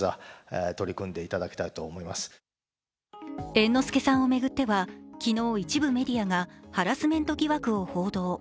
猿之助さんを巡っては昨日一部メディアがハラスメント疑惑を報道。